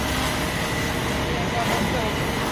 কিন্তু তোকে এটা মানতে হবে।